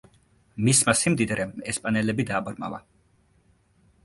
მისმა სიმდიდრემ ესპანელები დააბრმავა.